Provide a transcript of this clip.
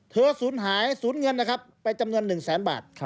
เธอสูญหายสูญเงินนะครับไปจำนวนหนึ่งแสนบาท